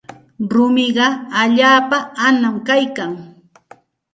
Rumiqa allaapa anam kaykan.